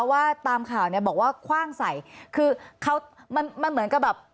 ว่าตามข่าวเนี่ยบอกว่าคว่างใส่คือเขามันมันเหมือนกับแบบ